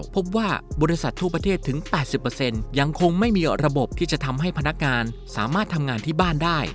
พบว่าบริษัททั่วประเทศถึง๘๐ยังคงไม่มีระบบที่จะทำให้พนักงานสามารถทำงานที่บ้านได้